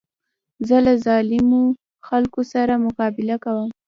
زه له ظالمو خلکو سره مقابله کوم.